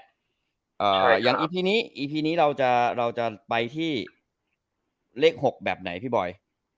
อย่างอีพีนี้อีพีนี้เราจะเราจะไปที่เลขหกแบบไหนพี่บอย